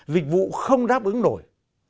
dịch vụ không đáp ứng nổi